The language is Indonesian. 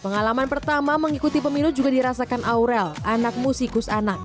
pengalaman pertama mengikuti pemilu juga dirasakan aurel anak musikus anak